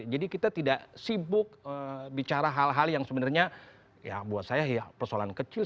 jadi kita tidak sibuk bicara hal hal yang sebenarnya ya buat saya ya persoalan kecil